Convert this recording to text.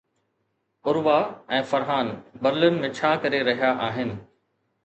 Urwah ۽ Farhan Berlin ۾ ڇا ڪري رهيا آهن؟